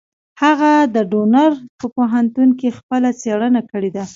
هغه د ډنور په پوهنتون کې خپله څېړنه کړې ده.